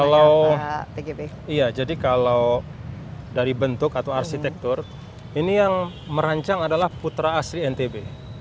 kalau iya jadi kalau dari bentuk atau arsitektur ini yang merancang adalah putra asli ntb